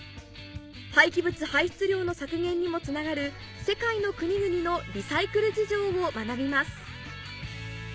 廃棄物排出量の削減にもつながる世界の国々のリサイクル事情を学びます